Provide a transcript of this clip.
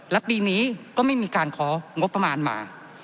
และปีนี้ก็ไม่มีการของงบประมาณมา